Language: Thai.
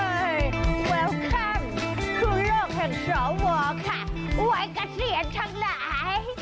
เฮ้ยเฮ้ยเวลคัมทุกโลกแห่งสหวะไว้เกษียณทั้งหลาย